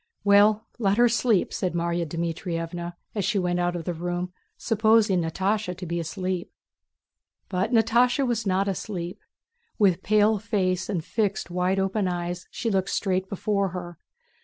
"Well, let her sleep," said Márya Dmítrievna as she went out of the room supposing Natásha to be asleep. But Natásha was not asleep; with pale face and fixed wide open eyes she looked straight before her.